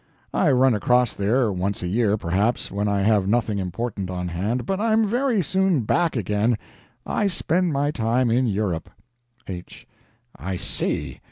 I run across there, once a year, perhaps, when I have nothing important on hand, but I'm very soon back again. I spend my time in Europe. H. I see.